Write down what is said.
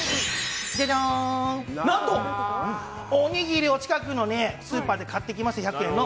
何と、おにぎりを近くのスーパーで買ってきます、１００円の。